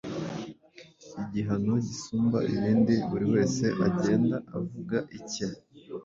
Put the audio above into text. igihano gisumba ibindi, buri wese agenda avuga icye.